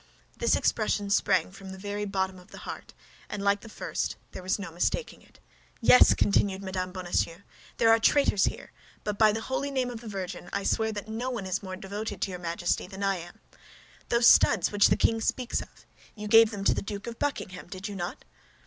This expression sprang from the very bottom of the heart, and, like the first, there was no mistaking it. "Yes," continued Mme. Bonacieux, "yes, there are traitors here; but by the holy name of the Virgin, I swear that no one is more devoted to your Majesty than I am. Those studs which the king speaks of, you gave them to the Duke of Buckingham, did you not?